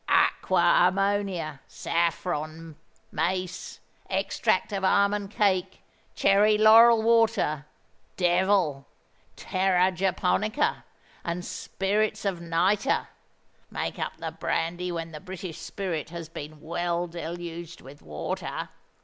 Aqua ammonia, saffron, mace, extract of almond cake, cherry laurel water, devil, terra japonica, and spirits of nitre, make up the brandy when the British spirit has been well deluged with water.